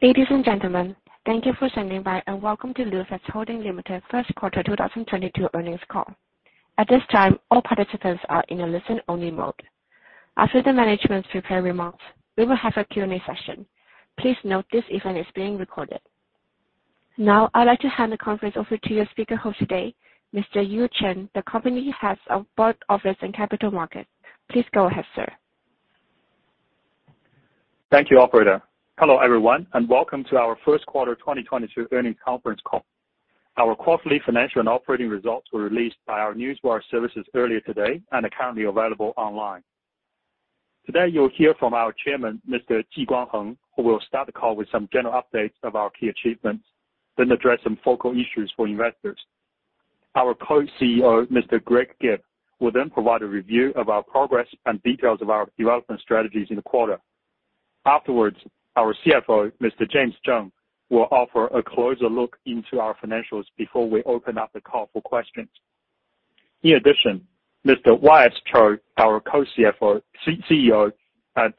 Ladies and gentlemen, thank you for standing by, and welcome to Lufax Holding Limited Q1 2022 earnings call. At this time, all participants are in a listen-only mode. After the management's prepared remarks, we will have a Q&A session. Please note this event is being recorded. Now, I'd like to hand the conference over to your speaker host today, Mr. Chen Yu, Head of Board Office and Capital Markets. Please go ahead, sir. Thank you operator. Hello everyone, and welcome to our Q1 2022 earnings conference call. Our quarterly financial and operating results were released by our newswire services earlier today and are currently available online. Today you will hear from our chairman, Mr. Ji Guangheng, who will start the call with some general updates of our key achievements, then address some focal issues for investors. Our co-CEO, Mr. Greg Gibb, will then provide a review of our progress and details of our development strategies in the quarter. Afterwards, our CFO, Mr. James Zheng, will offer a closer look into our financials before we open up the call for questions. In addition, Mr. Yong Suk Cho, our co-CEO, and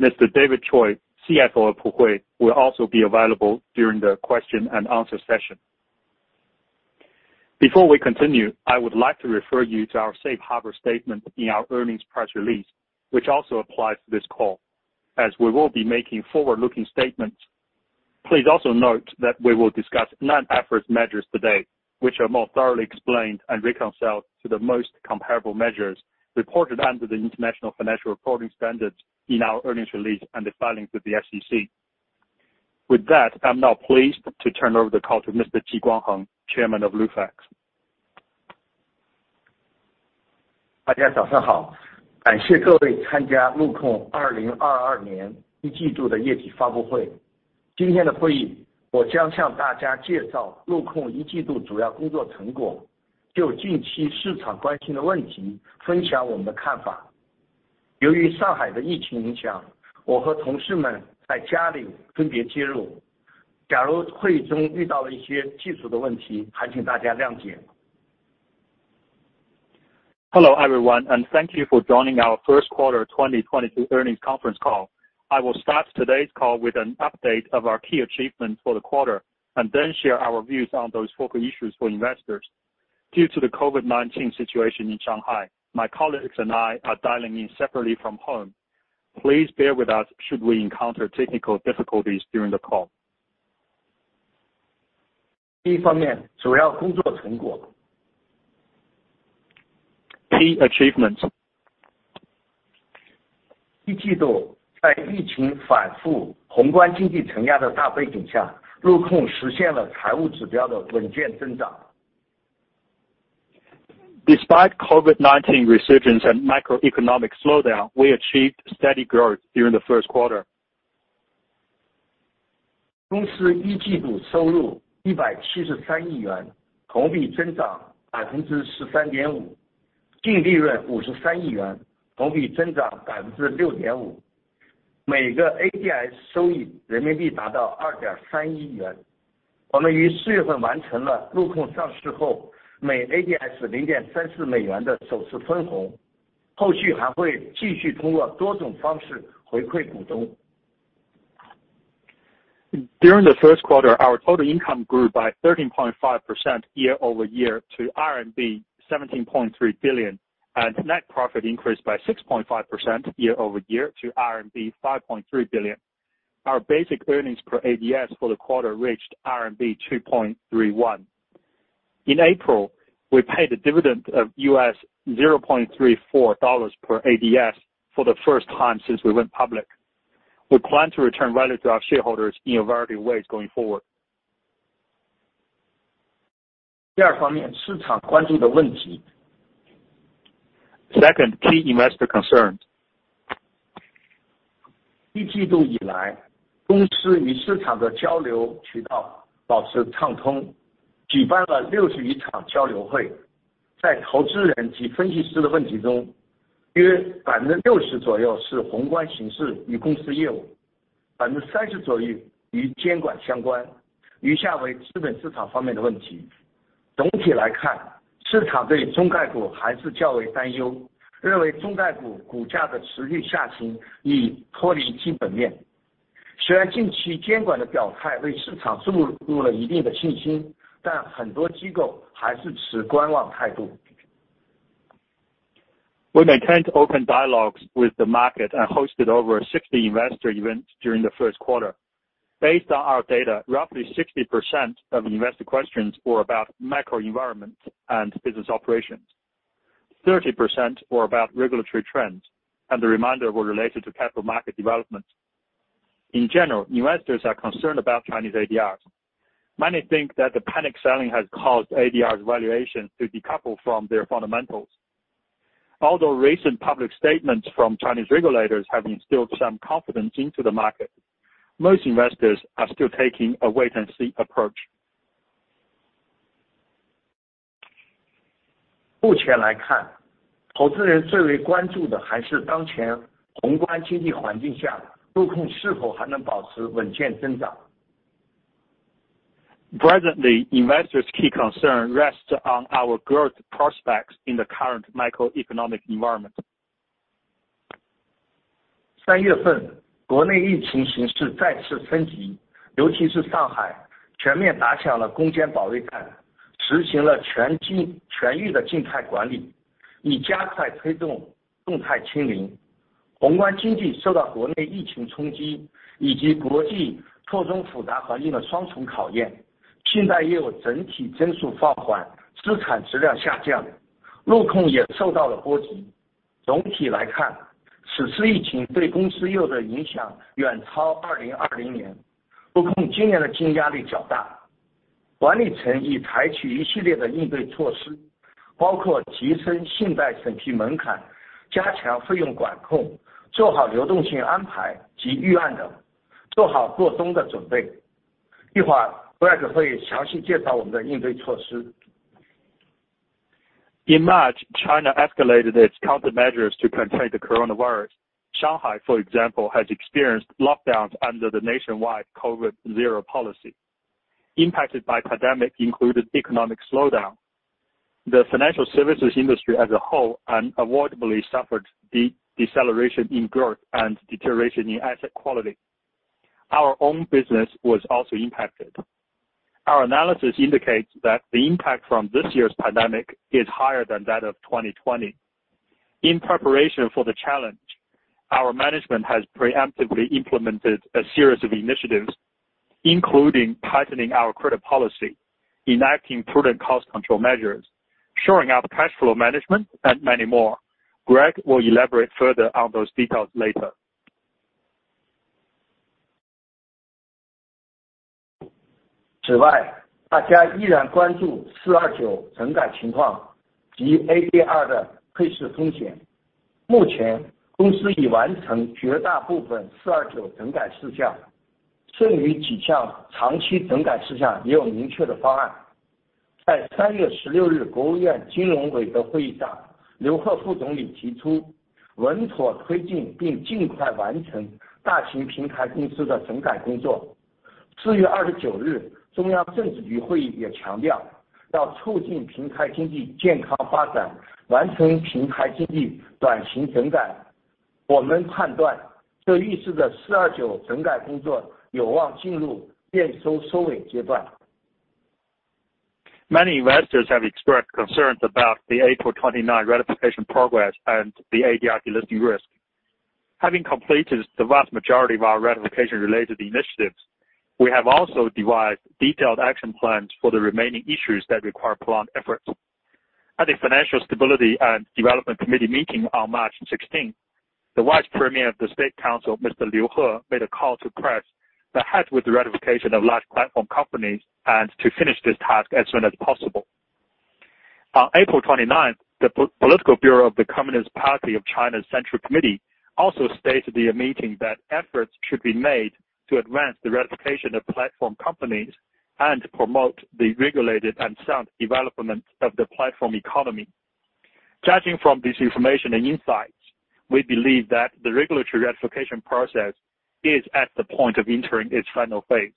Mr. David Siu Kam Choy, CFO of Puhui, will also be available during the question and answer session. Before we continue, I would like to refer you to our safe harbor statement in our earnings press release, which also applies to this call, as we will be making forward-looking statements. Please also note that we will discuss non-IFRS measures today, which are more thoroughly explained and reconciled to the most comparable measures reported under the International Financial Reporting Standards in our earnings release and the filings with the SEC. With that, I'm now pleased to turn over the call to Mr. Ji Guangheng, Chairman of Lufax. Hello, everyone, and thank you for joining our Q1 2022 earnings conference call. I will start today's call with an update of our key achievements for the quarter, and then share our views on those focal issues for investors. Due to the COVID-19 situation in Shanghai, my colleagues and I are dialing in separately from home. Please bear with us should we encounter technical difficulties during the call. 第一方面，主要工作成果。Key achievements. 一季度，在疫情反复、宏观经济承压的大背景下，陆控实现了财务指标的稳健增长。Despite COVID-19 resurgence and macroeconomic slowdown, we achieved steady growth during the Q1. 公司一季度收入173亿元，同比增长13.5%，净利润53亿元，同比增长6.5%。每个ADS收益人民币达到2.3亿元。我们于四月份完成了陆控上市后每ADS 0.34美元的首次分红，后续还会继续通过多种方式回馈股东。During the Q1, our total income grew by 13.5% year-over-year to RMB 17.3 billion. Net profit increased by 6.5% year-over-year to RMB 5.3 billion. Our basic earnings per ADS for the quarter reached RMB 2.31. In April, we paid a dividend of $0.34 per ADS for the first time since we went public. We plan to return value to our shareholders in a variety of ways going forward. 第二方面，市场关注的问题。Second, key investor concerns. 一季度以来，公司与市场的交流渠道保持畅通，举办了六十余场交流会。在投资人及分析师的问题中，约60%左右是宏观形势与公司业务，30%左右与监管相关，余下为资本市场方面的问题。总体来看，市场对中概股还是较为担忧，认为中概股股价的持续下行已脱离基本面。虽然近期监管的表态为市场输入了一定的信心，但很多机构还是持观望态度。We maintained open dialogues with the market and hosted over 60 investor events during the Q1. Based on our data, roughly 60% of investor questions were about macro environment and business operations. 30% were about regulatory trends, and the remainder were related to capital market development. In general, investors are concerned about Chinese ADRs. Many think that the panic selling has caused ADRs valuations to decouple from their fundamentals. Although recent public statements from Chinese regulators have instilled some confidence into the market, most investors are still taking a wait and see approach. 目前来看，投资人最为关注的还是当前宏观经济环境下，陆控是否还能保持稳健增长。Presently, investors' key concern rests on our growth prospects in the current macroeconomic environment. In March, China escalated its countermeasures to contain the coronavirus. Shanghai, for example, has experienced lockdowns under the nationwide COVID zero policy. Impacts from the pandemic included economic slowdown. The financial services industry as a whole unavoidably suffered deceleration in growth and deterioration in asset quality. Our own business was also impacted. Our analysis indicates that the impact from this year's pandemic is higher than that of 2020. In preparation for the challenge, our management has preemptively implemented a series of initiatives, including tightening our credit policy, enacting prudent cost control measures, shoring up cash flow management, and many more. Greg will elaborate further on those details later. Many investors have expressed concerns about the April 29 ratification progress and the ADR delisting risk. Having completed the vast majority of our ratification-related initiatives, we have also devised detailed action plans for the remaining issues that require prolonged efforts. At a Financial Stability and Development Committee meeting on March 16th, the Vice Premier of the State Council, Mr. Liu He, made a call to press ahead with the ratification of large platform companies and to finish this task as soon as possible. On April 29th, the Political Bureau of the Communist Party of China's Central Committee also stated at a meeting that efforts should be made to advance the ratification of platform companies and promote the regulated and sound development of the platform economy. Judging from this information and insights, we believe that the regulatory ratification process is at the point of entering its final phase.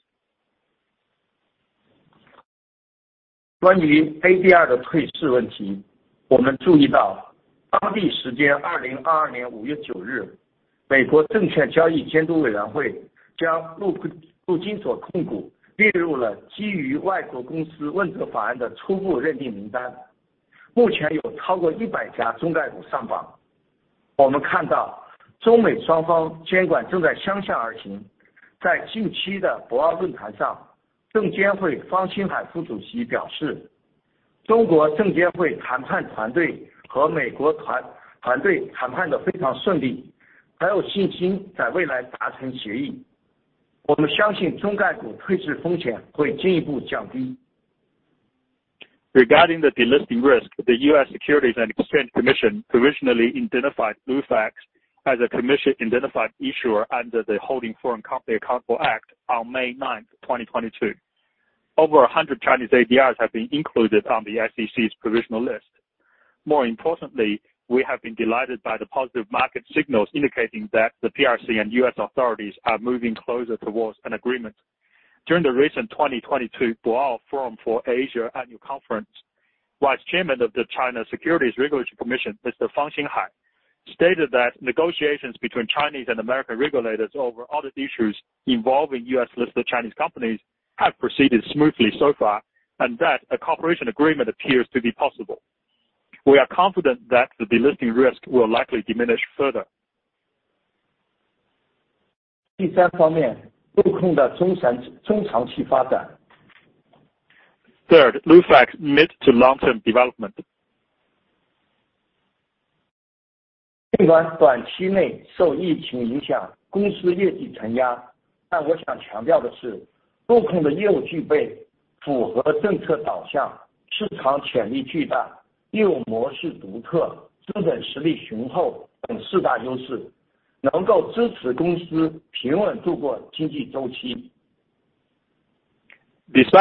Regarding the delisting risk, the U.S. Securities and Exchange Commission provisionally identified Lufax as a commission-identified issuer under the Holding Foreign Companies Accountable Act on May 9, 2022. Over 100 Chinese ADRs have been included on the SEC's provisional list. More importantly, we have been delighted by the positive market signals indicating that the PRC and U.S. authorities are moving closer towards an agreement. During the recent 2022 Boao Forum for Asia Annual Conference, Vice Chairman Fang Xinghai of the China Securities Regulatory Commission stated that negotiations between Chinese and American regulators over other issues involving U.S.-listed Chinese companies have proceeded smoothly so far, and that a cooperation agreement appears to be possible. We are confident that the delisting risk will likely diminish further. 第三方面，陆控的中长期发展。Third, Lufax mid- to long-term development. 尽管短期内受疫情影响，公司业绩承压。但我想强调的是，陆控的业务具备符合政策导向、市场潜力巨大、业务模式独特、资本实力雄厚等四大优势，能够支持公司平稳度过经济周期。Despite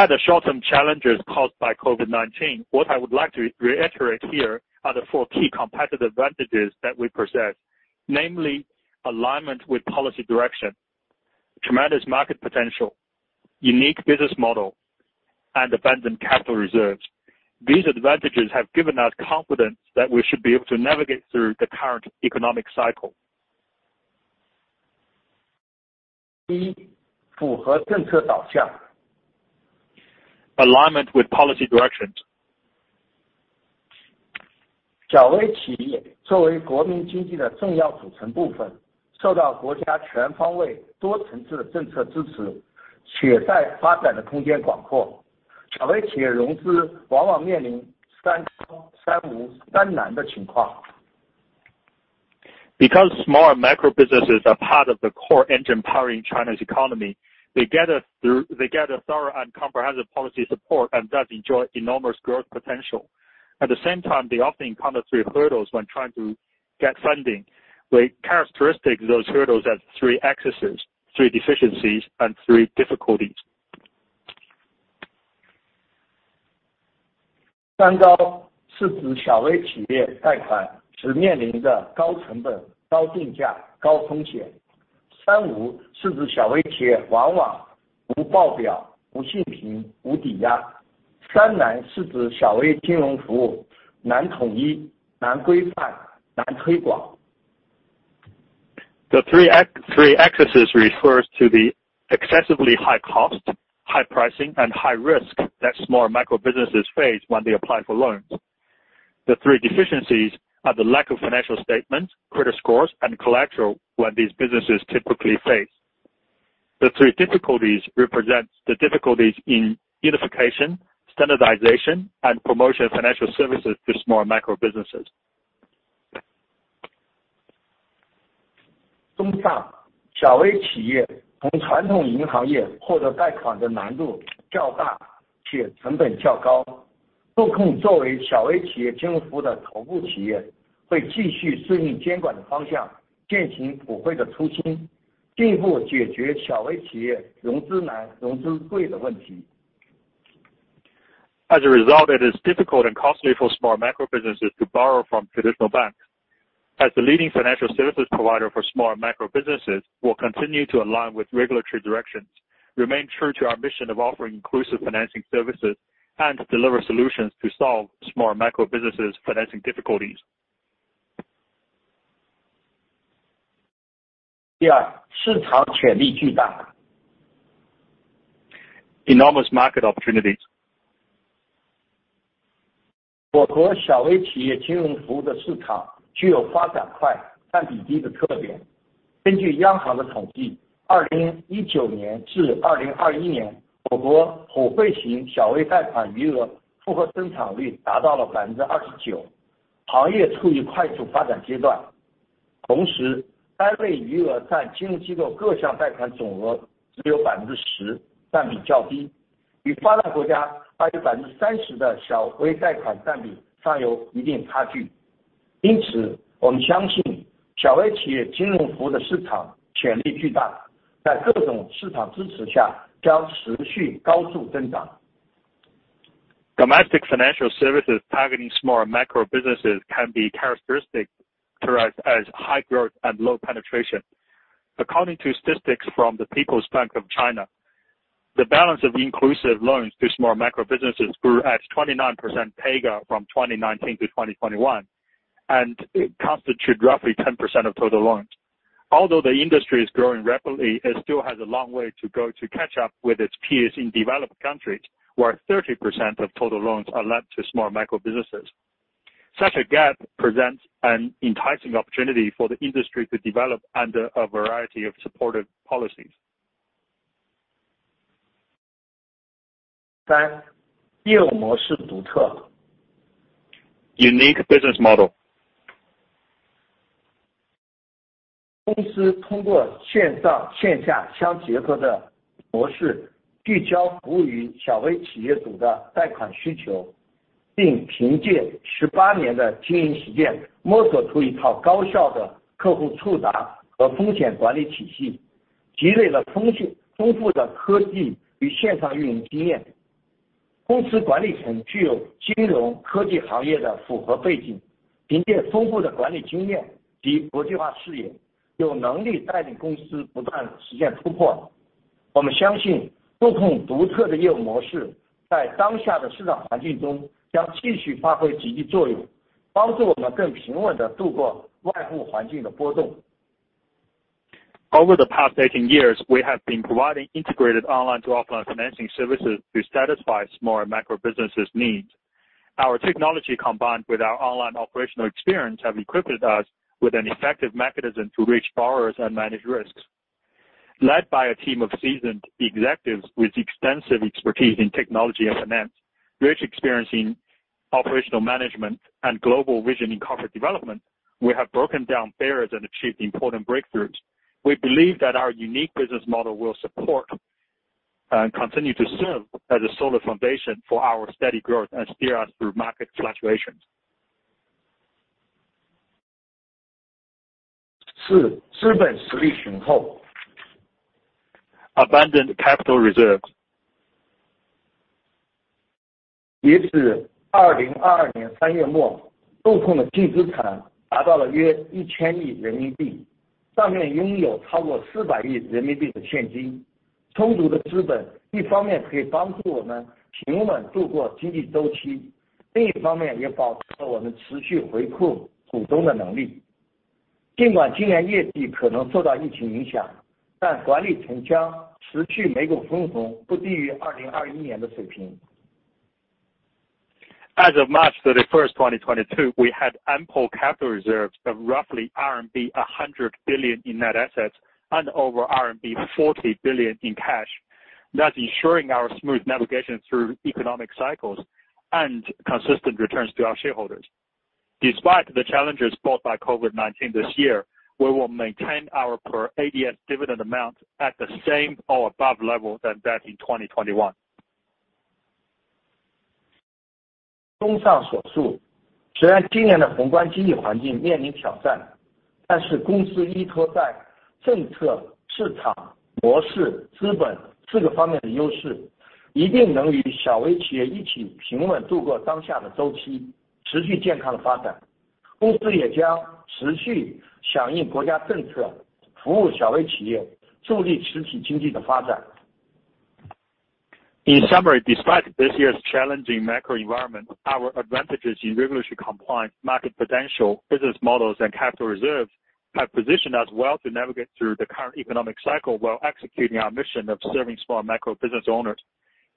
the short-term challenges caused by COVID-19, what I would like to reiterate here are the four key competitive advantages that we possess. Namely alignment with policy direction, tremendous market potential, unique business model, and abundant capital reserves. These advantages have given us confidence that we should be able to navigate through the current economic cycle. 一、符合政策导向。Alignment with policy directions. 小微企业作为国民经济的重要组成部分，受到国家全方位多层次的政策支持，且在发展的空间广阔。小微企业融资往往面临三高、三无、三难的情况。Because small micro businesses are part of the core engine powering China's economy, they get a thorough and comprehensive policy support and thus enjoy enormous growth potential. At the same time, they often encounter three hurdles when trying to get funding. The characteristics of those hurdles are three excesses, three deficiencies, and three difficulties. 三高是指小微企业贷款时面临的高成本、高定价、高风险。三无是指小微企业往往无报表、无信用评、无抵押。三难是指小微金融服务难统一、难规范、难推广。The three excesses refers to the excessively high cost, high pricing, and high risk that small micro businesses face when they apply for loans. The three deficiencies are the lack of financial statements, credit scores, and collateral when these businesses typically face. The three difficulties represent the difficulties in unification, standardization, and promotion of financial services to small micro businesses. 综上，小微企业从传统银行业获得贷款的难度较大，且成本较高。陆控作为小微企业金融服务的头部企业，会继续适应监管的方向，践行普惠的初心，进一步解决小微企业融资难、融资贵的问题。As a result, it is difficult and costly for small micro businesses to borrow from traditional banks. As the leading financial services provider for small and micro businesses, we'll continue to align with regulatory directions, remain true to our mission of offering inclusive financing services, and deliver solutions to solve small micro businesses financing difficulties. 第二，市场潜力巨大。Enormous market opportunities. Domestic financial services targeting small micro businesses can be characterized as high growth and low penetration. According to statistics from the People's Bank of China, the balance of inclusive loans to small micro businesses grew at 29% CAGR from 2019-2021, and it constitute roughly 10% of total loans. Although the industry is growing rapidly, it still has a long way to go to catch up with its peers in developed countries, where 30% of total loans are lent to small micro businesses. Such a gap presents an enticing opportunity for the industry to develop under a variety of supportive policies. 三、业务模式独特。Unique business model. Over the past 18 years, we have been providing integrated online to offline financing services to satisfy small micro businesses needs. Our technology, combined with our online operational experience, have equipped us with an effective mechanism to reach borrowers and manage risks. Led by a team of seasoned executives with extensive expertise in technology and finance, rich experience in operational management, and global vision in corporate development, we have broken down barriers and achieved important breakthroughs. We believe that our unique business model will support and continue to serve as a solid foundation for our steady growth and steer us through market fluctuations. 四、资本实力雄厚。Abundant capital reserves. 截至2022年3月末，陆控的净资产达到了约人民币1,000亿，上面拥有超过人民币400亿的现金。充足的资本一方面可以帮助我们平稳度过经济周期，另一方面也保证了我们持续回馈股东的能力。尽管今年业绩可能受到疫情影响，但管理层将持续每股分红不低于2021年的水平。As of March 31st, 2022, we had ample capital reserves of roughly RMB 100 billion in net assets and over RMB 40 billion in cash. Thus ensuring our smooth navigation through economic cycles and consistent returns to our shareholders. Despite the challenges brought by COVID-19 this year, we will maintain our per ADS dividend amount at the same or above level than that in 2021. 综上所述，虽然今年的宏观经济环境面临挑战，但是公司依托在政策、市场、模式、资本四个方面的优势，一定能与小微企业一起平稳度过当下的周期，持续健康发展。公司也将持续响应国家政策，服务小微企业，助力实体经济的发展。In summary, despite this year's challenging macro environment, our advantages in regulatory compliance, market potential, business models, and capital reserves have positioned us well to navigate through the current economic cycle while executing our mission of serving small and micro business owners.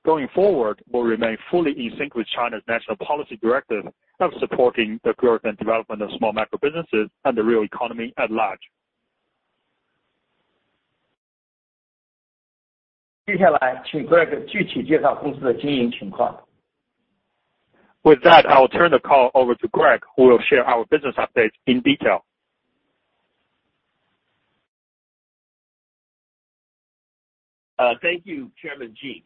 Going forward, we'll remain fully in sync with China's national policy directive of supporting the growth and development of small micro businesses and the real economy at large. 接下来请Greg具体介绍公司的经营情况。With that, I will turn the call over to Greg, who will share our business updates in detail. Thank you, Chairman Ji.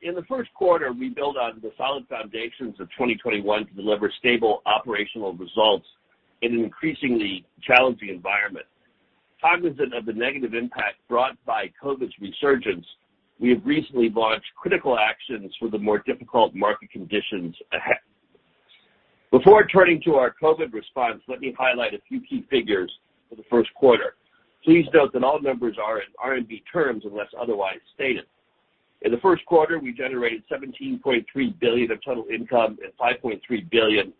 In the Q1, we built on the solid foundations of 2021 to deliver stable operational results in an increasingly challenging environment. Cognizant of the negative impact brought by COVID-19's resurgence, we have recently launched critical actions for the more difficult market conditions ahead. Before turning to our COVID-19 response, let me highlight a few key figures for the Q1. Please note that all numbers are in RMB terms unless otherwise stated. In the Q1, we generated 17.3 billion of total income and 5.3 billion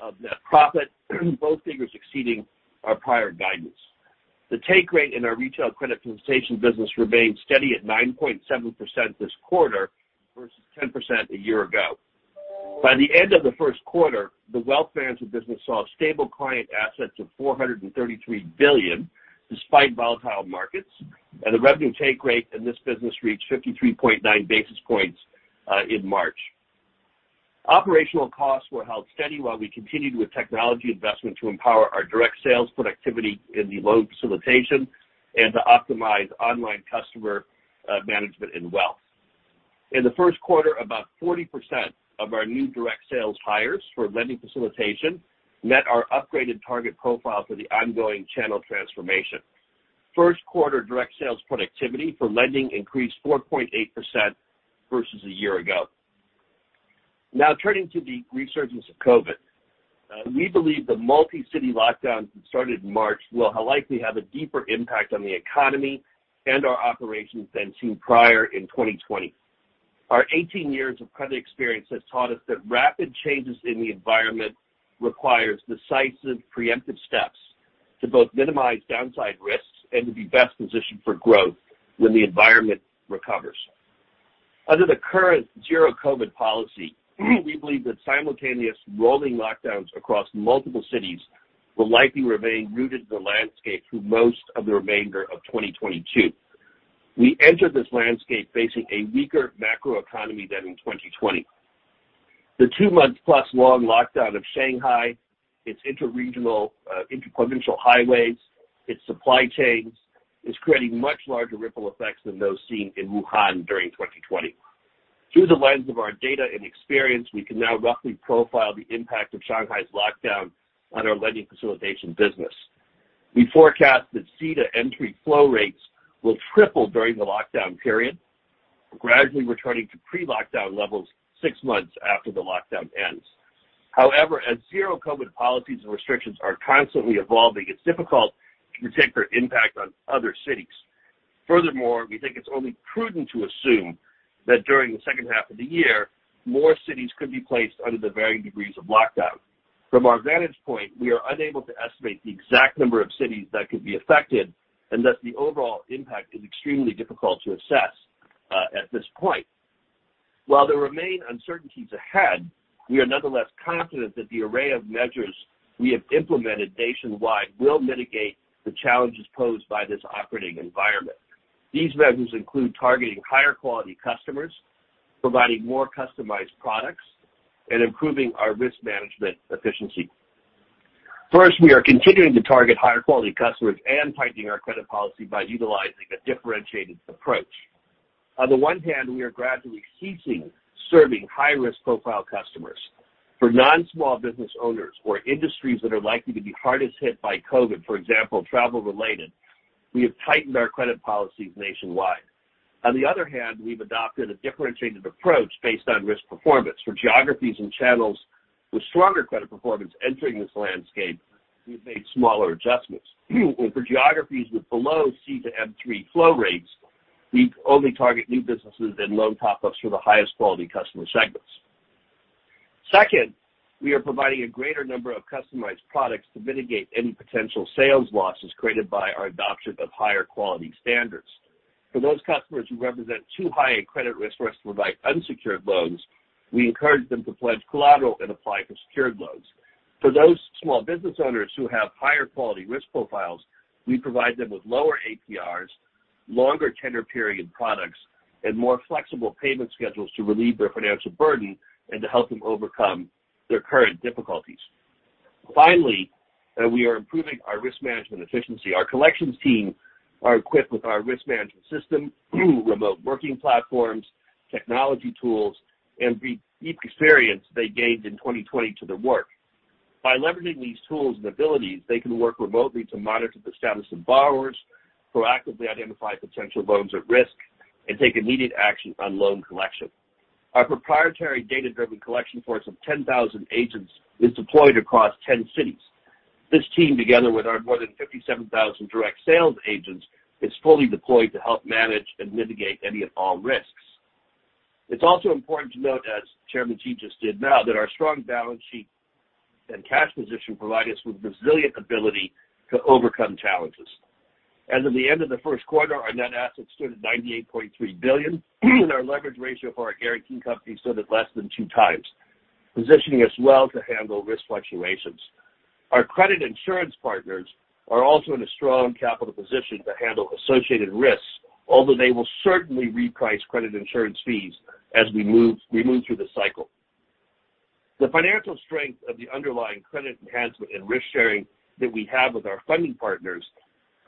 of net profit, both figures exceeding our prior guidance. The take rate in our retail credit facilitation business remained steady at 9.7% this quarter versus 10% a year ago. By the end of the Q1, the wealth management business saw stable client assets of 433 billion despite volatile markets, and the revenue take rate in this business reached 53.9 basis points in March. Operational costs were held steady while we continued with technology investment to empower our direct sales productivity in the loan facilitation and to optimize online customer management and wealth. In the Q1, about 40% of our new direct sales hires for lending facilitation met our upgraded target profile for the ongoing channel transformation. Q1 direct sales productivity for lending increased 4.8% versus a year ago. Now turning to the resurgence of COVID. We believe the multi-city lockdowns that started in March will likely have a deeper impact on the economy and our operations than seen prior in 2020. Our 18 years of credit experience has taught us that rapid changes in the environment requires decisive preemptive steps to both minimize downside risks and to be best positioned for growth when the environment recovers. Under the current zero COVID policy, we believe that simultaneous rolling lockdowns across multiple cities will likely remain rooted in the landscape through most of the remainder of 2022. We enter this landscape facing a weaker macro economy than in 2020. The two-month-plus long lockdown of Shanghai, its interregional, interprovincial highways, its supply chains, is creating much larger ripple effects than those seen in Wuhan during 2020. Through the lens of our data and experience, we can now roughly profile the impact of Shanghai's lockdown on our lending facilitation business. We forecast that C2A entry flow rates will triple during the lockdown period, gradually returning to pre-lockdown levels six months after the lockdown ends. However, as zero COVID policies and restrictions are constantly evolving, it's difficult to predict their impact on other cities. Furthermore, we think it's only prudent to assume that during the second half of the year, more cities could be placed under the varying degrees of lockdown. From our vantage point, we are unable to estimate the exact number of cities that could be affected, and thus the overall impact is extremely difficult to assess at this point. While there remain uncertainties ahead, we are nonetheless confident that the array of measures we have implemented nationwide will mitigate the challenges posed by this operating environment. These measures include targeting higher quality customers, providing more customized products, and improving our risk management efficiency. First, we are continuing to target higher quality customers and tightening our credit policy by utilizing a differentiated approach. On the one hand, we are gradually ceasing serving high-risk profile customers. For non-SME business owners or industries that are likely to be hardest hit by COVID, for example, travel-related, we have tightened our credit policies nationwide. On the other hand, we've adopted a differentiated approach based on risk performance. For geographies and channels with stronger credit performance entering this landscape, we've made smaller adjustments. For geographies with below C-M3 flow rates, we only target new businesses and loan top-ups for the highest quality customer segments. Second, we are providing a greater number of customized products to mitigate any potential sales losses created by our adoption of higher quality standards. For those customers who represent too high a credit risk for us to provide unsecured loans, we encourage them to pledge collateral and apply for secured loans. For those small business owners who have higher quality risk profiles, we provide them with lower APRs, longer tenor period products, and more flexible payment schedules to relieve their financial burden and to help them overcome their current difficulties. Finally, we are improving our risk management efficiency. Our collections team are equipped with our risk management system, remote working platforms, technology tools, and the deep experience they gained in 2020 to do the work. By leveraging these tools and abilities, they can work remotely to monitor the status of borrowers, proactively identify potential loans at risk, and take immediate action on loan collection. Our proprietary data-driven collection force of 10,000 agents is deployed across 10 cities. This team, together with our more than 57,000 direct sales agents, is fully deployed to help manage and mitigate any and all risks. It's also important to note, as Chairman Ji just did now, that our strong balance sheet and cash position provide us with resilient ability to overcome challenges. As of the end of the Q1, our net assets stood at 98.3 billion, and our leverage ratio for our guaranteed company stood at less than two times, positioning us well to handle risk fluctuations. Our credit insurance partners are also in a strong capital position to handle associated risks, although they will certainly reprice credit insurance fees as we move through this cycle. The financial strength of the underlying credit enhancement and risk sharing that we have with our funding partners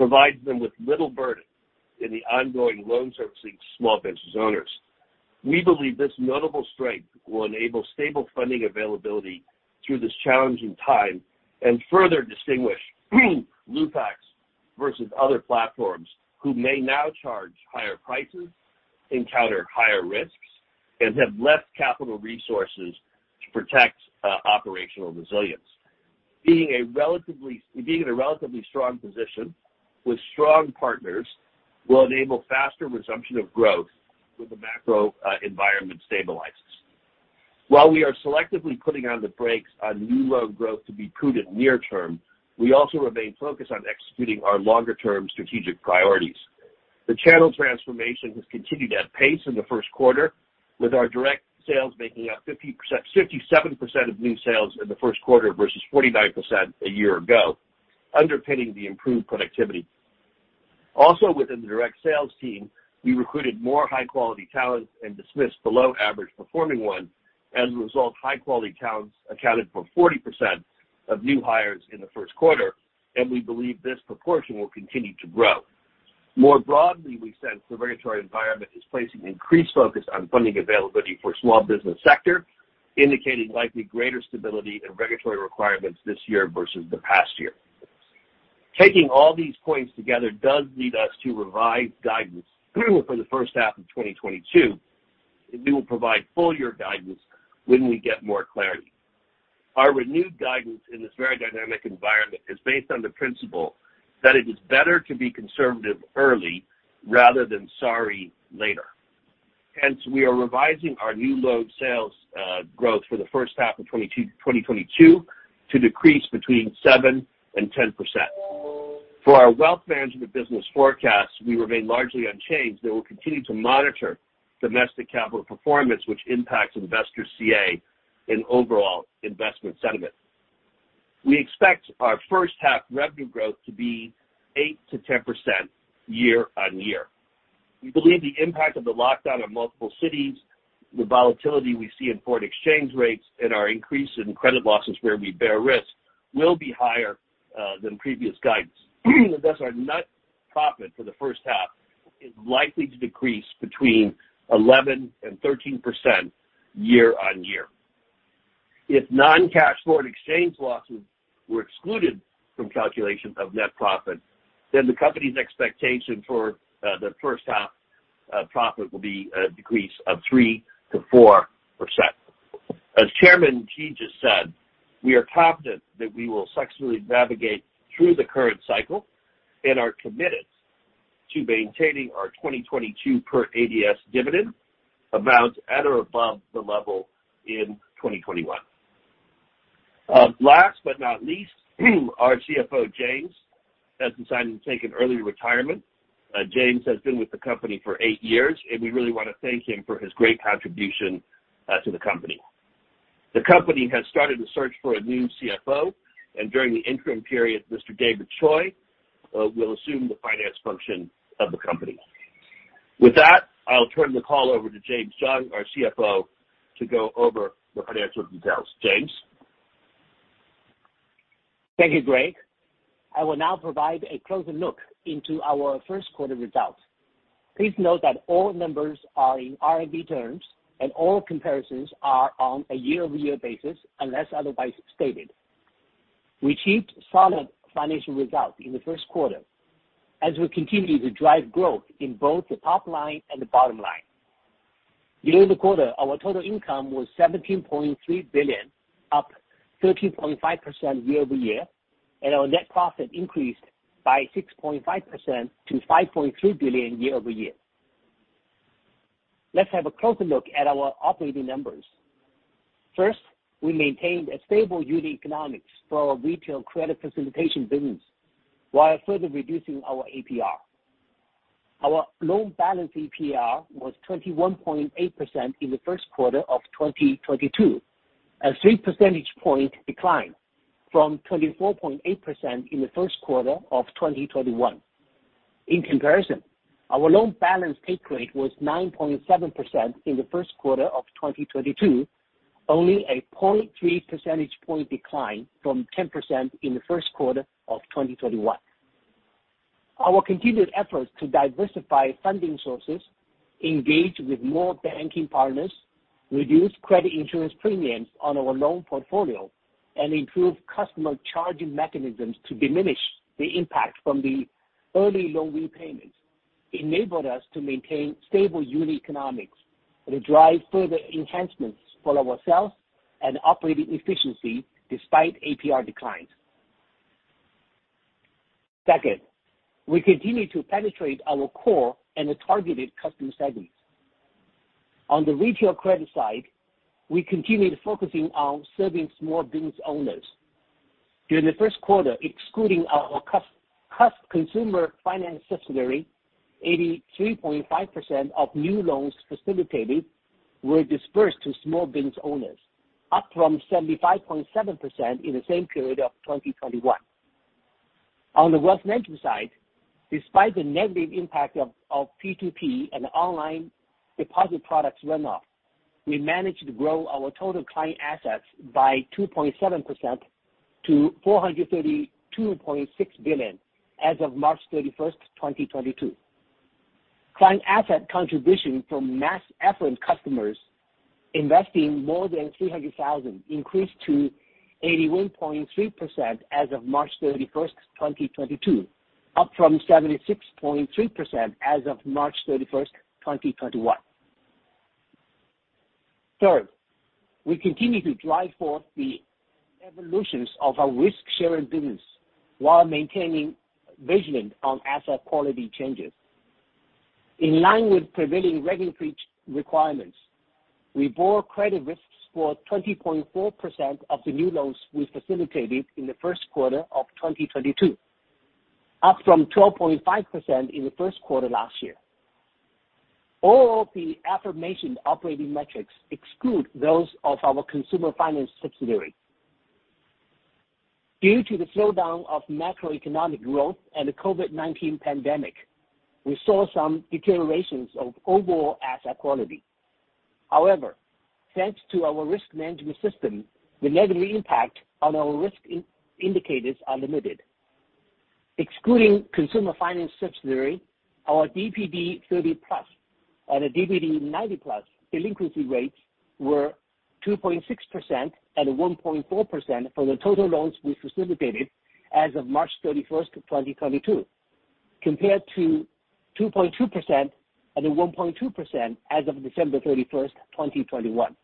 provides them with little burden in the ongoing loan servicing to small business owners. We believe this notable strength will enable stable funding availability through this challenging time and further distinguish Lufax versus other platforms who may now charge higher prices, encounter higher risks, and have less capital resources to protect operational resilience. Being in a relatively strong position with strong partners will enable faster resumption of growth when the macro environment stabilizes. While we are selectively putting on the brakes on new loan growth to be prudent near term, we also remain focused on executing our longer-term strategic priorities. The channel transformation has continued at pace in the Q1, with our direct sales making up 57% of new sales in the Q1 versus 49% a year ago, underpinning the improved productivity. Also within the direct sales team, we recruited more high-quality talent and dismissed below-average-performing ones. As a result, high-quality talents accounted for 40% of new hires in the Q1, and we believe this proportion will continue to grow. More broadly, we sense the regulatory environment is placing increased focus on funding availability for small business sector, indicating likely greater stability and regulatory requirements this year versus the past year. Taking all these points together does lead us to revised guidance for the first half of 2022, and we will provide full year guidance when we get more clarity. Our renewed guidance in this very dynamic environment is based on the principle that it is better to be conservative early rather than sorry later. Hence, we are revising our new loan sales growth for the first half of 2022 to decrease between 7% and 10%. For our wealth management business forecasts, we remain largely unchanged, and we'll continue to monitor domestic capital performance, which impacts investors' CA and overall investment sentiment. We expect our first half revenue growth to be 8%-10% year-on-year. We believe the impact of the lockdown on multiple cities, the volatility we see in foreign exchange rates, and our increase in credit losses where we bear risk will be higher than previous guidance. Thus, our net profit for the first half is likely to decrease between 11% and 13% year-on-year. If non-cash foreign exchange losses were excluded from calculation of net profit, then the company's expectation for the first half profit will be a decrease of 3%-4%. As Chairman Ji just said, we are confident that we will successfully navigate through the current cycle and are committed to maintaining our 2022 per ADS dividend about at or above the level in 2021. Last but not least, our CFO, James, has decided to take an early retirement. James has been with the company for 8 years, and we really wanna thank him for his great contribution to the company. The company has started the search for a new CFO, and during the interim period, Mr. David Choi will assume the finance function of the company. With that, I'll turn the call over to James Zheng, our CFO, to go over the financial details. James? Thank you, Greg. I will now provide a closer look into our Q1 results. Please note that all numbers are in RMB terms, and all comparisons are on a year-over-year basis, unless otherwise stated. We achieved solid financial results in the Q1 as we continue to drive growth in both the top line and the bottom line. During the quarter, our total income was 17.3 billion, up 13.5% year-over-year, and our net profit increased by 6.5% to 5.3 billion year-over-year. Let's have a closer look at our operating numbers. First, we maintained a stable unit economics for our retail credit facilitation business while further reducing our APR. Our loan balance APR was 21.8% in the Q1 of 2022, a three percentage point decline from 24.8% in the Q1 of 2021. In comparison, our loan balance take rate was 9.7% in the Q1 of 2022, only a 0.3 percentage point decline from 10% in the Q1 of 2021. Our continued efforts to diversify funding sources, engage with more banking partners, reduce credit insurance premiums on our loan portfolio, and improve customer charging mechanisms to diminish the impact from the early loan repayments enabled us to maintain stable unit economics and drive further enhancements for ourselves and operating efficiency despite APR declines. Second, we continue to penetrate our core and targeted customer segments. On the retail credit side, we continued focusing on serving small business owners. During the Q1, excluding our consumer finance subsidiary, 83.5% of new loans facilitated were dispersed to small business owners, up from 75.7% in the same period of 2021. On the wealth management side, despite the negative impact of P2P and online deposit products runoff, we managed to grow our total client assets by 2.7% to 432.6 billion as of March 31, 2022. Client asset contribution from mass affluent customers investing more than 300,000 increased to 81.3% as of March 31, 2022, up from 76.3% as of March 31, 2021. Third, we continue to drive forth the evolutions of our risk-sharing business while maintaining vigilant on asset quality changes. In line with prevailing regulatory requirements, we bore credit risks for 20.4% of the new loans we facilitated in th Q1 of 2022, up from 12.5% in the Q1 last year. All the aforementioned operating metrics exclude those of our consumer finance subsidiary. Due to the slowdown of macroeconomic growth and the COVID-19 pandemic, we saw some deteriorations of overall asset quality. However, thanks to our risk management system, the negative impact on our risk indicators are limited. Excluding consumer finance subsidiary, our DPD 30+ and DPD 90+ delinquency rates were 2.6% and 1.4% for the total loans we facilitated as of March 31, 2022, compared to 2.2% and 1.2% as of December 31, 2021.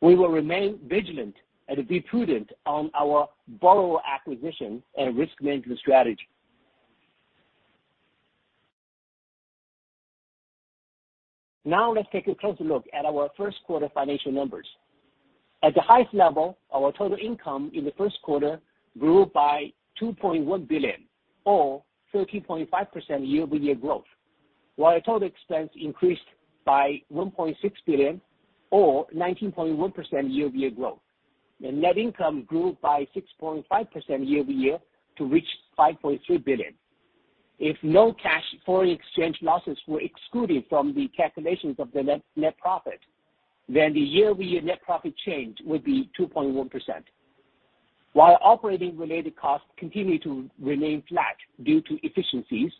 We will remain vigilant and be prudent on our borrower acquisition and risk management strategy. Now let's take a closer look at our Q1 financial numbers. At the highest level, our total income in the Q1 grew by 2.1 billion or 13.5% year-over-year, while total expense increased by 1.6 billion or 19.1% year-over-year. The net income grew by 6.5% year-over-year to reach 5.3 billion. If non-cash foreign exchange losses were excluded from the calculations of the net net profit, then the year-over-year net profit change would be 2.1%. While operating-related costs continue to remain flat due to efficiencies,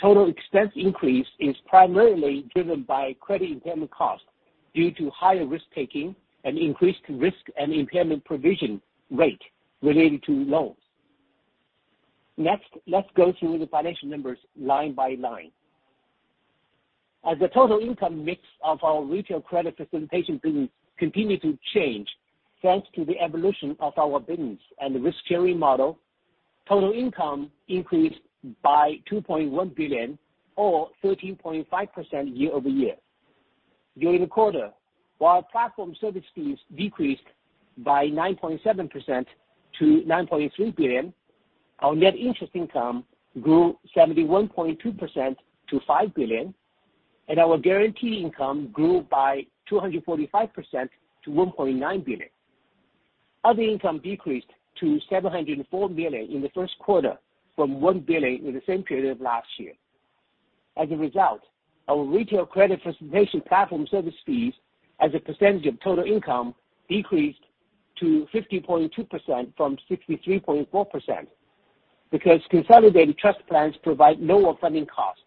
total expense increase is primarily driven by credit impairment costs due to higher risk-taking and increased risk and impairment provision rate related to loans. Next, let's go through the financial numbers line by line. As the total income mix of our retail credit facilitation business continue to change, thanks to the evolution of our business and risk-sharing model, total income increased by 2.1 billion or 13.5% year-over-year. During the quarter, while our platform service fees decreased by 9.7% to 9.3 billion, our net interest income grew 71.2% to 5 billion, and our guarantee income grew by 245% to 1.9 billion. Other income decreased to 704 million in the Q1 from 1 billion in the same period of last year. As a result, our retail credit facilitation platform service fees as a percentage of total income decreased to 50.2% from 63.4%. Because consolidated trust plans provide lower funding costs,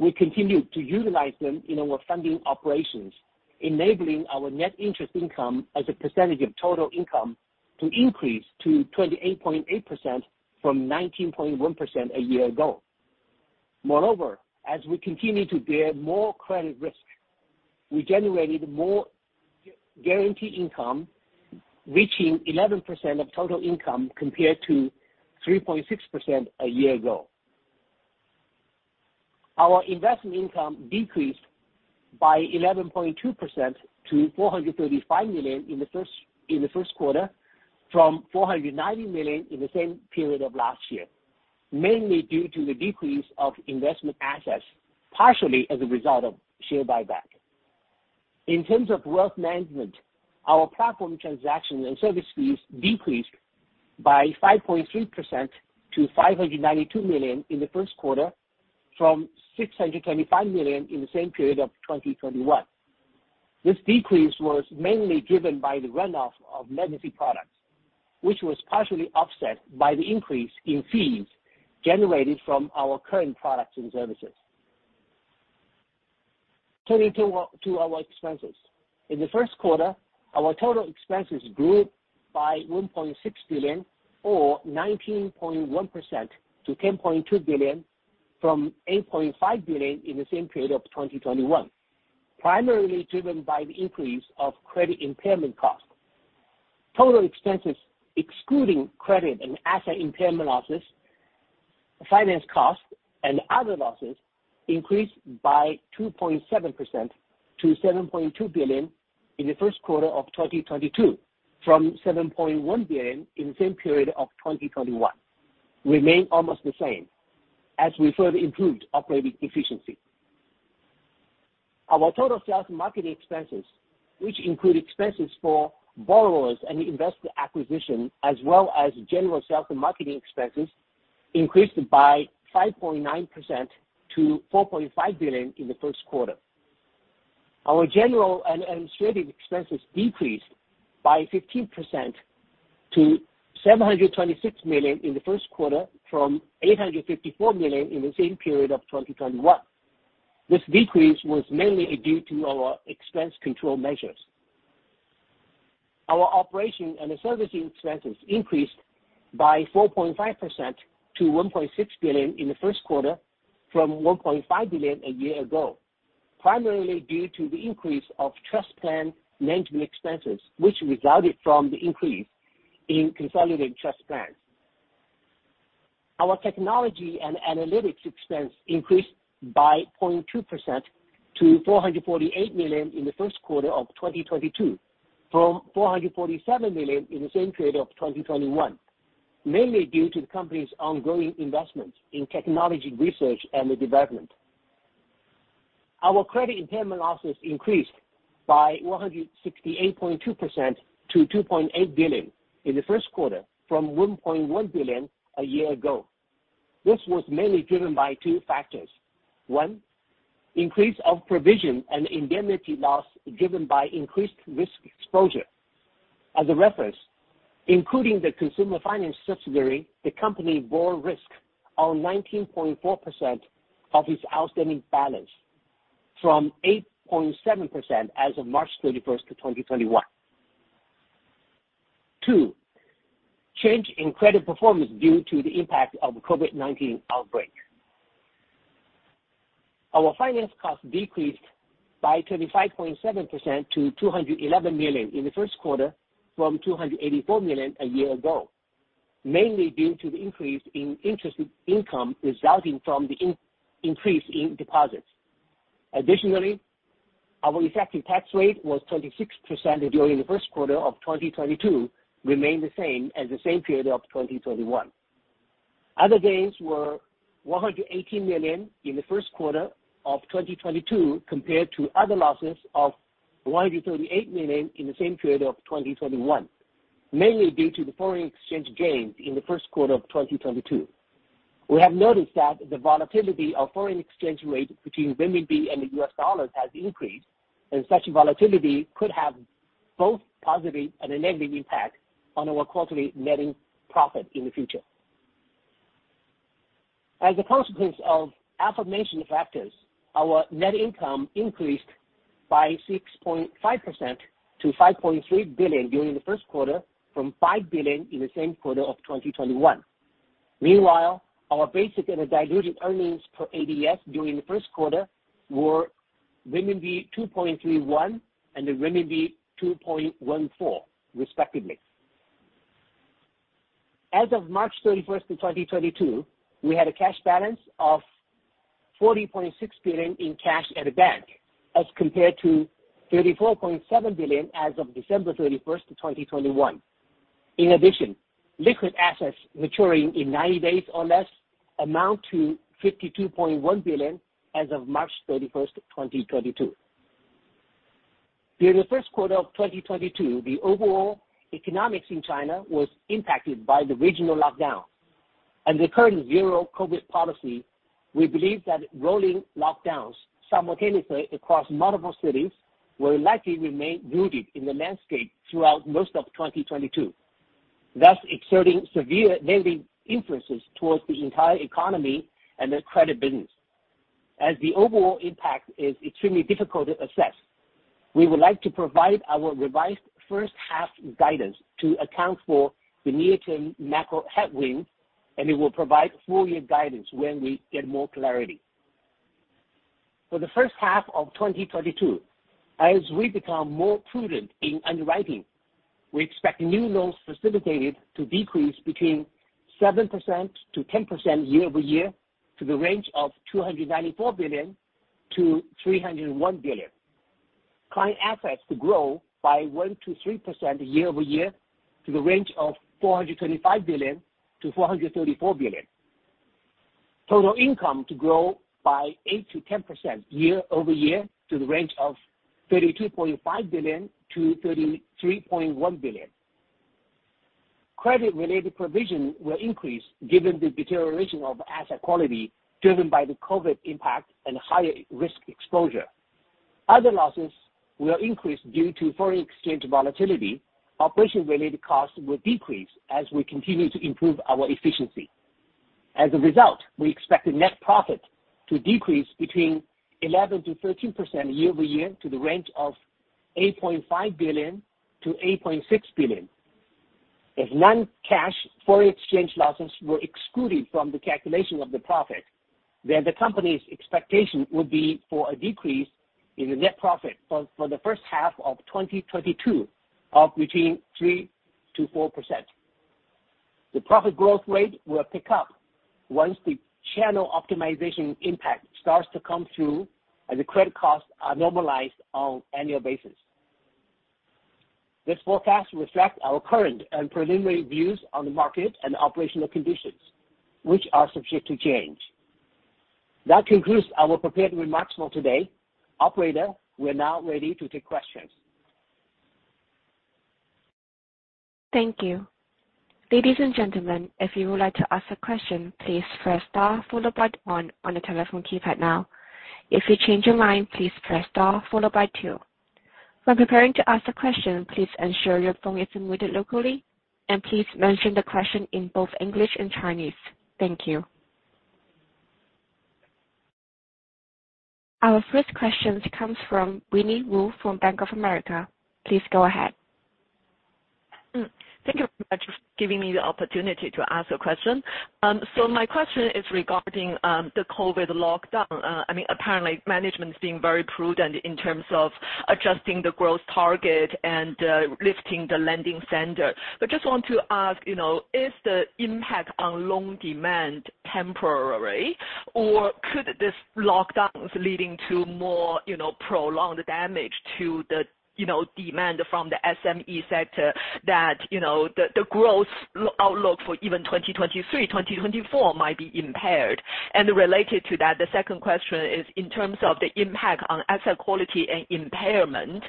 we continue to utilize them in our funding operations, enabling our net interest income as a percentage of total income to increase to 28.8% from 19.1% a year ago. Moreover, as we continue to bear more credit risk, we generated more guarantee income reaching 11% of total income compared to 3.6% a year ago. Our investment income decreased by 11.2% to 435 million in the Q1 from 490 million in the same period of last year, mainly due to the decrease of investment assets, partially as a result of share buyback. In terms of wealth management, our platform transaction and service fees decreased by 5.3% to 592 million in the Q1 from 625 million in the same period of 2021. This decrease was mainly driven by the runoff of legacy products, which was partially offset by the increase in fees generated from our current products and services. Turning to our expenses. In the Q1, our total expenses grew by 1.6 billion or 19.1% to 10.2 billion from 8.5 billion in the same period of 2021, primarily driven by the increase of credit impairment costs. Total expenses excluding credit and asset impairment losses, finance costs, and other losses increased by 2.7% to 7.2 billion in the Q1 of 2022 from 7.1 billion in the same period of 2021. Remain almost the same as we further improved operating efficiency. Our total sales and marketing expenses, which include expenses for borrowers and investor acquisition as well as general sales and marketing expenses, increased by 5.9% to 4.5 billion in the Q1. Our general and administrative expenses decreased by 15% to 726 million in the Q1 from 854 million in the same period of 2021. This decrease was mainly due to our expense control measures. Our operation and servicing expenses increased by 4.5% to 1.6 billion in the Q1 from 1.5 billion a year ago, primarily due to the increase of trust plan management expenses, which resulted from the increase in consolidated trust plans. Our technology and analytics expense increased by 0.2% to 448 million in the Q1 of 2022 from 447 million in the same period of 2021, mainly due to the company's ongoing investments in technology research and development. Our credit impairment losses increased by 168.2% to 2.8 billion in the Q1 from 1.1 billion a year ago. This was mainly driven by two factors. One, increase of provision and indemnity loss driven by increased risk exposure. As a reference, including the consumer finance subsidiary, the company bore risk on 19.4% of its outstanding balance from 8.7% as of March 31, 2021. 2, change in credit performance due to the impact of COVID-19 outbreak. Our finance cost decreased by 35.7% to 211 million in the Q1 from 284 million a year ago, mainly due to the increase in interest income resulting from the increase in deposits. Additionally, our effective tax rate was 26% during the Q1 of 2022, remained the same as the same period of 2021. Other gains were 118 million in the Q1 of 2022 compared to other losses of 138 million in the same period of 2021, mainly due to the foreign exchange gains in the Q1 of 2022. We have noticed that the volatility of foreign exchange rate between renminbi and the U.S. dollar has increased, and such volatility could have both positive and a negative impact on our quarterly net profit in the future. As a consequence of aforementioned factors, our net income increased by 6.5% to 5.3 billion during the Q1 from 5 billion in the same quarter of 2021. Meanwhile, our basic and diluted earnings per ADS during the Q1 were RMB 2.31 and 2.14, respectively. As of March 31, 2022, we had a cash balance of 40.6 billion in cash at bank as compared to 34.7 billion as of December 31, 2021. In addition, liquid assets maturing in 90 days or less amount to 52.1 billion as of March 31, 2022. During the Q1 of 2022, the overall economy in China was impacted by the regional lockdown and the current zero COVID policy. We believe that rolling lockdowns simultaneously across multiple cities will likely remain rooted in the landscape throughout most of 2022, thus exerting severe negative influences towards the entire economy and the credit business. As the overall impact is extremely difficult to assess, we would like to provide our revised first half guidance to account for the near-term macro headwinds, and we will provide full year guidance when we get more clarity. For the first half of 2022, as we become more prudent in underwriting, we expect new loans facilitated to decrease between 7%-10% year-over-year to the range of 294 billion-301 billion. Client assets to grow by 1%-3% year-over-year to the range of 425 billion-434 billion. Total income to grow by 8%-10% year-over-year to the range of 32.5 billion-33.1 billion. Credit-related provision will increase given the deterioration of asset quality driven by the COVID impact and higher risk exposure. Other losses will increase due to foreign exchange volatility. Operation-related costs will decrease as we continue to improve our efficiency. As a result, we expect the net profit to decrease between 11%-13% year-over-year to the range of 8.5 billion-8.6 billion. If non-cash foreign exchange losses were excluded from the calculation of the profit, then the company's expectation would be for a decrease in the net profit for the first half of 2022 of between 3%-4%. The profit growth rate will pick up once the channel optimization impact starts to come through and the credit costs are normalized on annual basis. This forecast reflects our current and preliminary views on the market and operational conditions, which are subject to change. That concludes our prepared remarks for today. Operator, we are now ready to take questions. Thank you. Ladies and gentlemen, if you would like to ask a question, please press star followed by one on the telephone keypad now. If you change your mind, please press star followed by two. When preparing to ask the question, please ensure your phone is muted locally and please mention the question in both English and Chinese. Thank you. Our first question comes from Winnie Wu from Bank of America. Please go ahead. Thank you very much for giving me the opportunity to ask a question. My question is regarding the COVID lockdown. I mean, apparently management is being very prudent in terms of adjusting the growth target and lifting the lending ceiling. Just want to ask, you know, is the impact on loan demand temporary, or could this lockdown lead to more, you know, prolonged damage to the, you know, demand from the SME sector that, you know, the growth outlook for even 2023, 2024 might be impaired? Related to that, the second question is in terms of the impact on asset quality and impairment,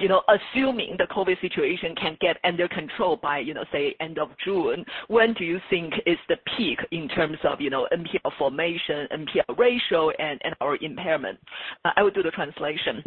you know, assuming the COVID situation can get under control by, you know, say end of June, when do you think is the peak in terms of, you know, NPL formation, NPL ratio and. or impairment? I will do the translation.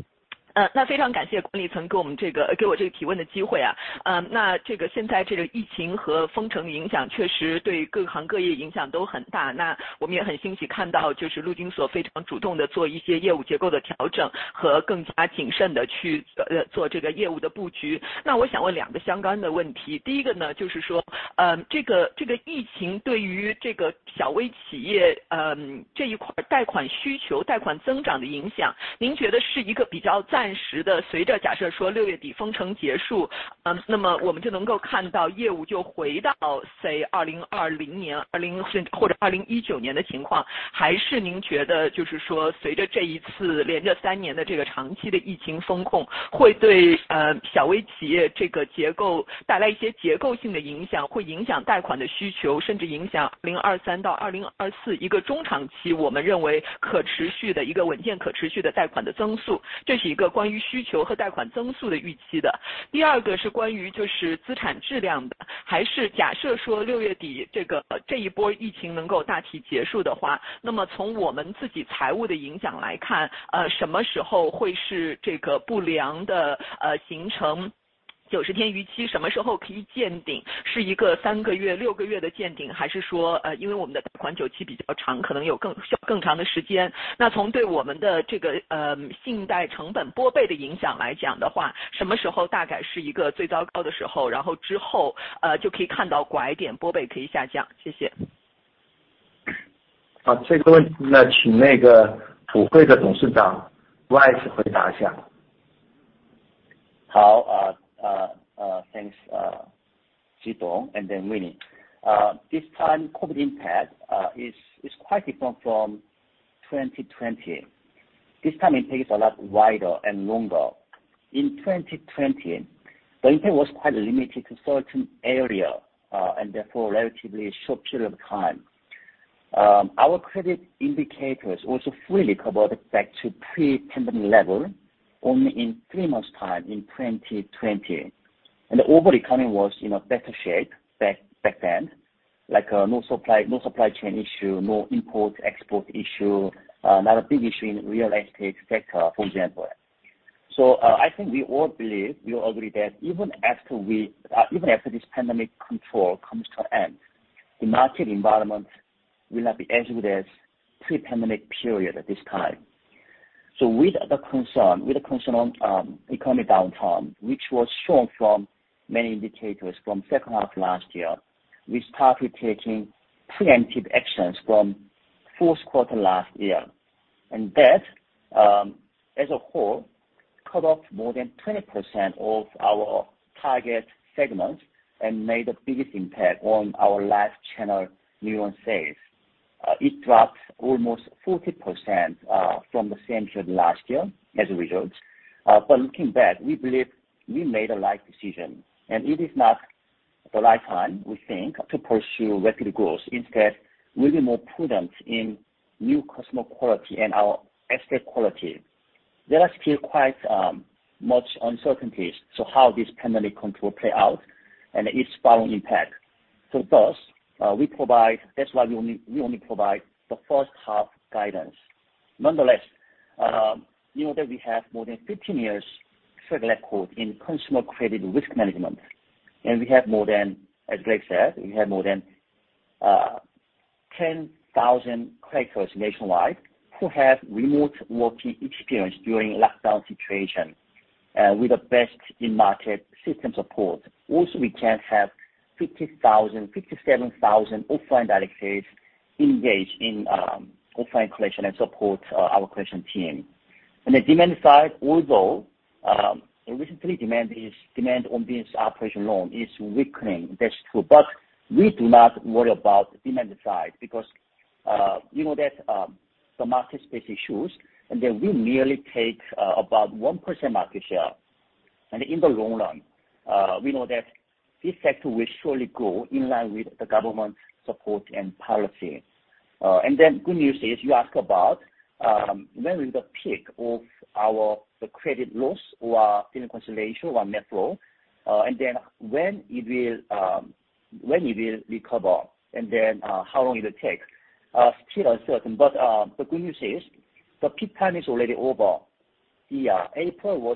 Thanks, Zhi Dong and then Winnie. This time COVID impact is quite different from 2020. This time it takes a lot wider and longer. In 2020, the impact was quite limited to certain area, and therefore relatively short period of time. Our credit indicators also fully recovered back to pre-pandemic level only in three months' time in 2020. The overall economy was in a better shape back then, like, no supply chain issue, no import-export issue, not a big issue in real estate sector, for example. I think we all believe, we all agree that even after this pandemic control comes to end, the market environment will not be as good as pre-pandemic period at this time. With the concern on economy downturn, which was shown from many indicators from second half last year, we started taking preemptive actions from Q4 last year. That, as a whole, cut off more than 20% of our target segments and made the biggest impact on our life channel new loan sales. It dropped almost 40% from the same period last year as a result. Looking back, we believe we made the right decision, and it is not the right time, we think, to pursue rapid growth. Instead, we'll be more prudent in new customer quality and our asset quality. There are still quite much uncertainties to how this pandemic control play out and its following impact. That's why we only provide the first half guidance. Nonetheless, you know that we have more than 15 years track record in consumer credit risk management, and we have more than, as Greg said, more than 10,000 creditors nationwide who have remote working experience during lockdown situation with the best-in-market system support. Also, we can have 50,000-57,000 offline debt collectors engaged in offline collection and support our collection team. On the demand side, although recently demand on this operation loan is weakening, that's true, but we do not worry about demand side because you know that the market size is huge and that we merely take about 1% market share. In the long run, we know that this sector will surely grow in line with the government support and policy. Good news is you ask about when is the peak of our credit loss or credit consolidation or net flow, and then when it will recover, and how long it'll take. Still uncertain, but the good news is the peak time is already over. In April,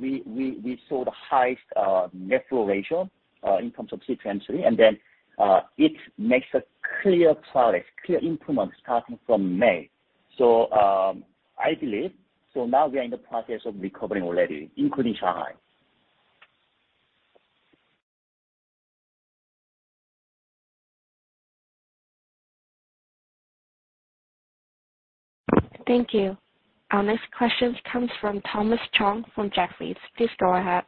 we saw the highest net flow ratio in terms of sequentially, and then it makes a clear progress, clear improvement starting from May. I believe, so now we're in the process of recovering already, including Shanghai. Thank you. Our next question comes from Thomas Chong from Jefferies. Please go ahead.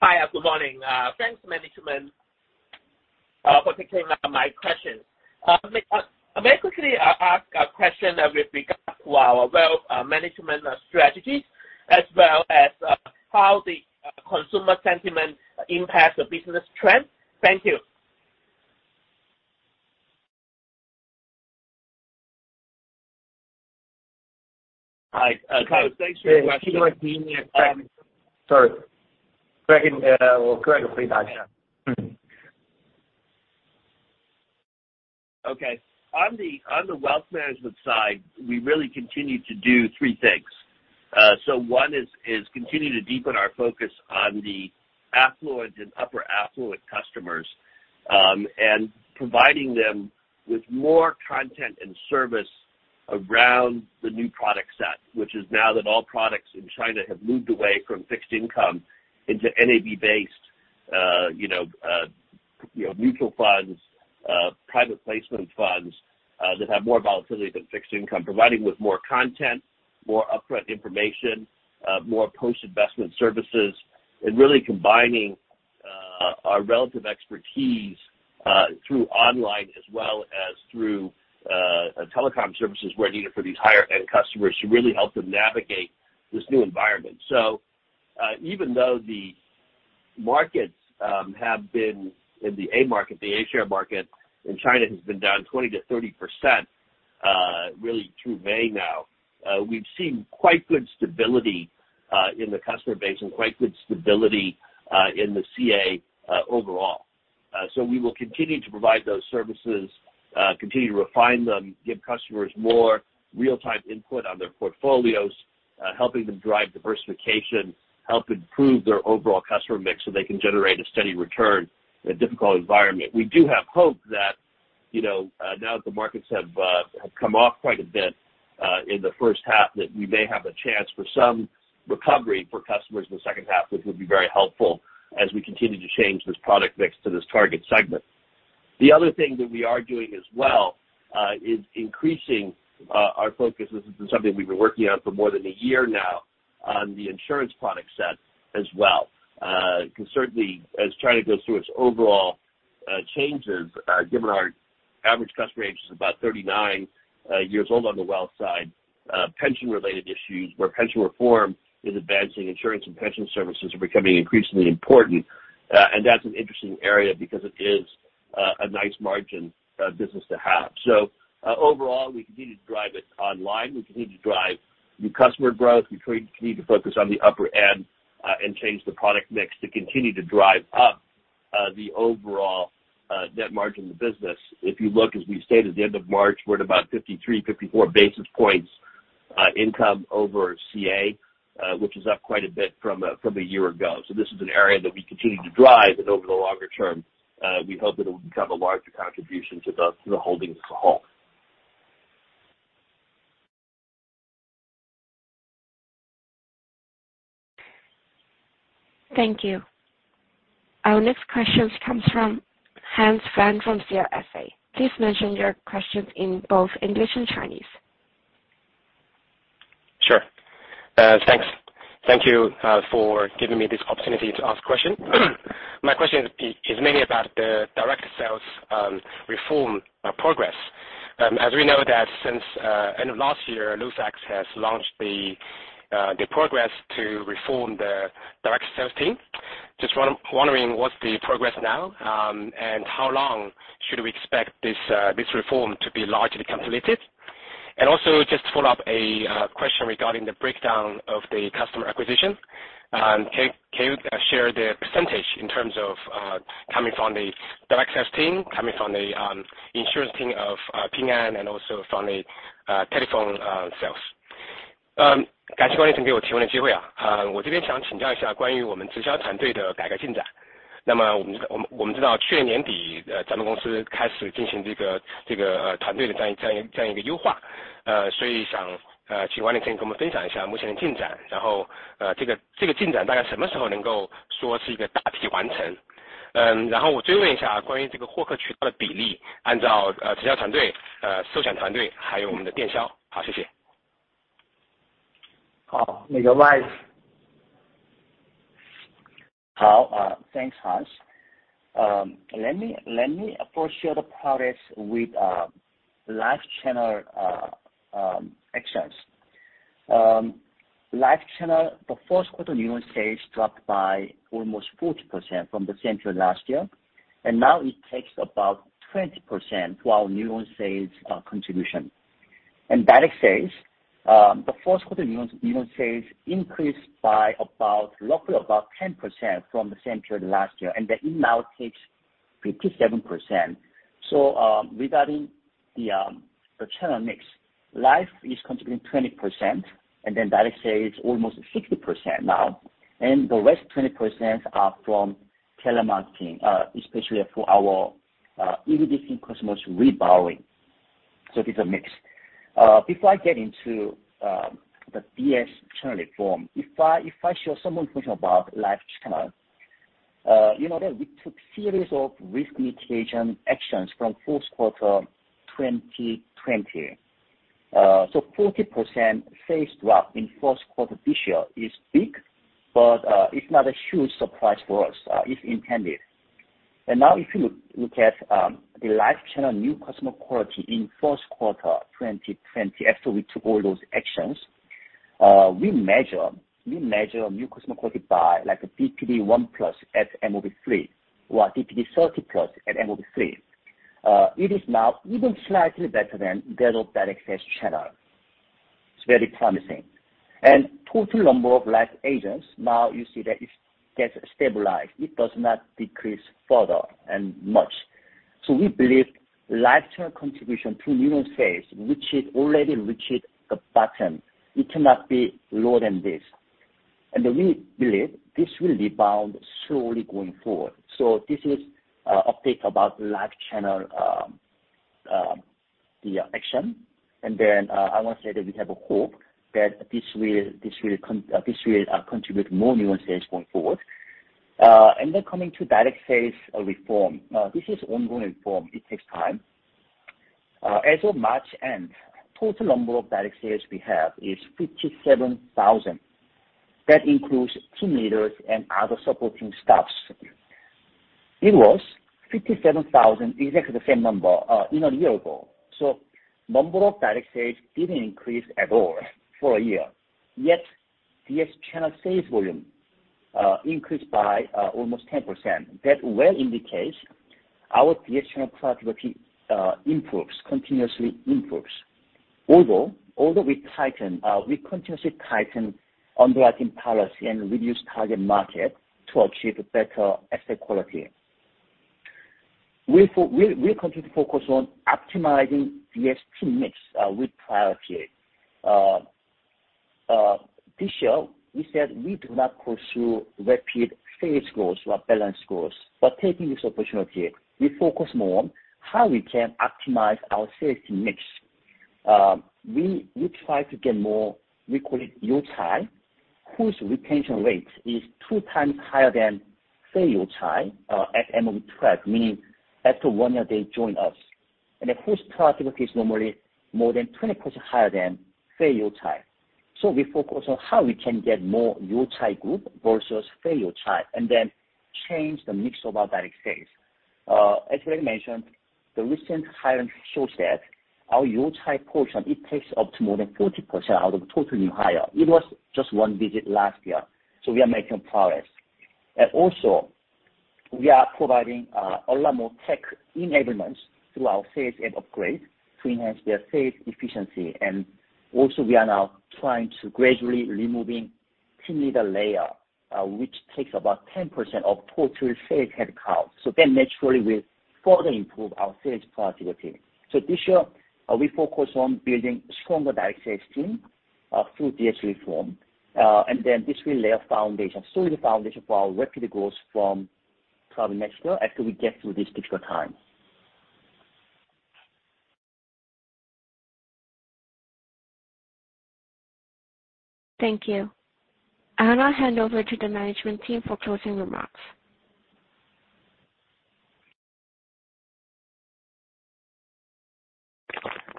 Hi, good morning. Thanks management for taking my questions. May I quickly ask a question with regard to our wealth management strategies as well as how the consumer sentiment impacts the business trend? Thank you. Hi, Thomas. Thanks for your question. Yeah, if you don't mind repeating it, sorry. Breaking, we'll break a feedback. Yeah. Okay. On the wealth management side, we really continue to do three things. One is continue to deepen our focus on the affluent and upper affluent customers, and providing them with more content and service around the new product set, which is now that all products in China have moved away from fixed income into NAV-based, you know, you know, mutual funds, private placement funds, that have more volatility than fixed income, providing with more content, more upfront information, more post-investment services, and really combining our relative expertise through online as well as through telecom services where needed for these higher end customers to really help them navigate this new environment. Even though the markets have been in the A-share market, the A-share market in China has been down 20%-30%, really through May now, we've seen quite good stability in the customer base and quite good stability in the CA overall. We will continue to provide those services, continue to refine them, give customers more real-time input on their portfolios, helping them drive diversification, help improve their overall customer mix so they can generate a steady return in a difficult environment. We do have hope that, you know, now that the markets have come off quite a bit in the first half that we may have a chance for some recovery for customers in the second half, which would be very helpful as we continue to change this product mix to this target segment. The other thing that we are doing as well is increasing our focus. This is something we've been working on for more than a year now on the insurance product set as well. We can certainly, as China goes through its overall changes, given our average customer age is about 39 years old on the wealth side, pension related issues where pension reform is advancing insurance and pension services are becoming increasingly important. That's an interesting area because it is a nice margin business to have. Overall, we continue to drive it online. We continue to drive new customer growth. We continue to focus on the upper end and change the product mix to continue to drive up the overall net margin of the business. If you look, as we stated at the end of March, we're at about 53-54 basis points income over CA, which is up quite a bit from a year ago. This is an area that we continue to drive and over the longer term, we hope it will become a larger contribution to the holdings as a whole. Thank you. Our next question comes from Hans Fan from CLSA. Please mention your questions in both English and Chinese. Sure. Thanks. Thank you for giving me this opportunity to ask question. My question is mainly about the direct sales reform progress. As we know that since end of last year, Lufax has launched the progress to reform the direct sales team. Just wondering what's the progress now, and how long should we expect this reform to be largely completed? Also just to follow up a question regarding the breakdown of the customer acquisition. Can you share the percentage in terms of coming from the direct sales team, coming from the insurance team of Ping An and also from the telephone sales? Thanks, Hans. Let me first share the products with life channel actions. Life channel, the Q1 new sales dropped by almost 40% from the same period last year, and now it takes about 20% to our new sales contribution. Direct sales, the Q1 new sales increased by roughly 10% from the same period last year, and it now takes 57%. Regarding the channel mix, life is contributing 20%, and then direct sales almost 60% now. The rest 20% are from telemarketing, especially for our existing customers rebuying. It is a mix. Before I get into the DS channel reform, if I show some information about life channel, you know that we took series of risk mitigation actions from Q1 2020. Forty percent sales drop in Q1 this year is big, but it's not a huge surprise for us, it's intended. Now if you look at the life channel new customer quality in Q1 2020 after we took all those actions, we measure new customer quality by like a DPD 1+ at MOB 3 or DPD 30+ at MOB 3. It is now even slightly better than that of direct sales channel. It's very promising. Total number of life agents, now you see that it gets stabilized. It does not decrease further and much. We believe life channel contribution to new sales, which it already reached the bottom, it cannot be lower than this. We believe this will rebound slowly going forward. This is update about life channel, the actual. I wanna say that we have a hope that this will contribute more new sales going forward. Coming to direct sales reform. This is ongoing reform. It takes time. As of March end, total number of direct sales we have is 57,000. That includes team leaders and other supporting staffs. It was 57,000, exactly the same number, in a year ago. Number of direct sales didn't increase at all for a year. Yet, DS channel sales volume increased by almost 10%. That well indicates our DS channel productivity continuously improves. Although we continuously tighten underwriting policy and reduce target market to achieve better asset quality. We continue to focus on optimizing DS team mix with priority. This year, we said we do not pursue rapid sales growth or balance growth, but taking this opportunity, we focus more on how we can optimize our sales team mix. We try to get more, we call it N-tie, whose retention rate is two times higher than U-tie at MOB trial, meaning after one year they join us. Whose productivity is normally more than 20% higher than U-tie. We focus on how we can get more N-tie group versus U-tie, and then change the mix of our direct sales. As already mentioned, the recent hiring shows that our U-tie portion, it takes up more than 40% out of total new hire. It was just one digit last year, so we are making progress. We are providing a lot more tech enablements through our sales and upgrade to enhance their sales efficiency. We are now trying to gradually removing team leader layer, which takes about 10% of total sales headcount. Naturally we further improve our sales productivity. This year, we focus on building stronger direct sales team, through DS reform, and then this will lay a foundation, solid foundation for our rapid growth from probably next year after we get through this difficult time. Thank you. I now hand over to the management team for closing remarks.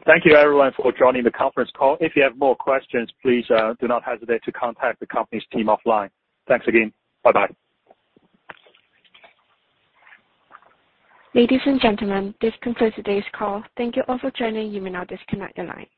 Thank you everyone for joining the conference call. If you have more questions, please, do not hesitate to contact the company's team offline. Thanks again. Bye-bye. Ladies and gentlemen, this concludes today's call. Thank you all for joining. You may now disconnect your line.